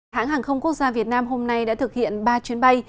hãng hàng không quốc gia việt nam hôm nay đã thực hiện ba chuyến bay